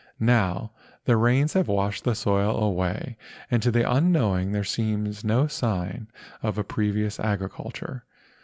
Now the rains have washed the soil away and to the unknowing there is no sign of previous agriculture.